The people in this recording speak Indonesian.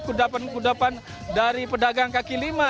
kudapan kudapan dari pedagang kaki lima